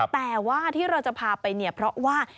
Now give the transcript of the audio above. แต่ว่าที่เราจะพาไปเนี่ยเพราะว่า